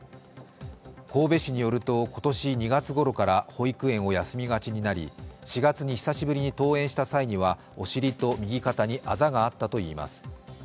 神戸市によると、今年２月ごろから保育園を休みがちになり４月に久しぶりに登園した際には、お尻と右肩にあざがあったといいます。